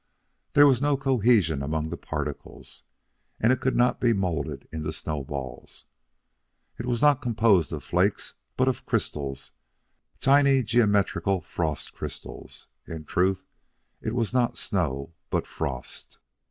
There was no cohesion among the particles, and it could not be moulded into snowballs. It was not composed of flakes, but of crystals tiny, geometrical frost crystals. In truth, it was not snow, but frost.